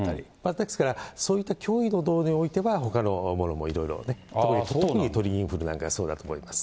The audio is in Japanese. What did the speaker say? ですからそういった脅威の度合いによっては、ほかのものもいろいろ、特に鳥インフルなんか特にそうだと思います。